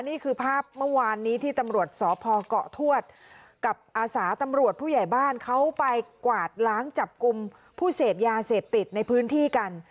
นี่คือภาพเมื่อวานนี้ที่ตำรวจสพเกาะทวดกับอาสาตำรวจผู้ใหญ่บ้านเขาไปกวาดล้างจับกลุ่มผู้เสพยาเสพติดในพื้นที่กัน